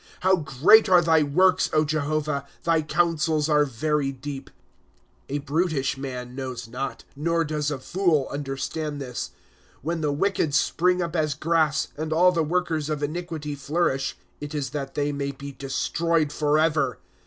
^ How great are thy works, Jehovah! Thy counsels are very deep. ^ A brutish man knows not, Nov does a fool understand this. ' When the wicked spring up as grass. And all the workers of iaiquity flourish; It is that they may be destroyed forever.